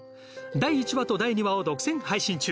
第１話と第２話を独占配信中。